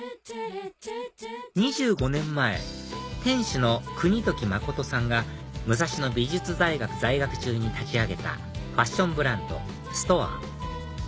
２５年前店主の國時誠さんが武蔵野美術大学在学中に立ち上げたファッションブランドＳＵＴＯＡ